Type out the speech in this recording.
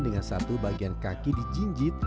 dengan satu bagian kaki dijinjit